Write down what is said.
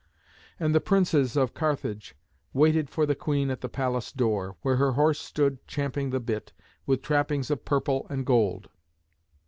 And the princes of Carthage waited for the queen at the palace door, where her horse stood champing the bit, with trappings of purple and gold.